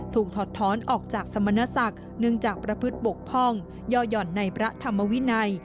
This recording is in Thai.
ถอดท้อนออกจากสมณศักดิ์เนื่องจากประพฤติบกพ่องย่อหย่อนในพระธรรมวินัย